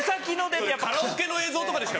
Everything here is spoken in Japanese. カラオケの映像とかでしか。